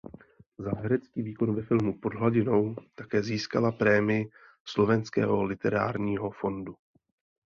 Za herecký výkon ve filmu "Pod hladinou" také získala prémii slovenského Literárního fondu.